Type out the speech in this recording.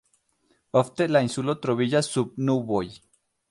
Ofte la insulo troviĝas sub nuboj.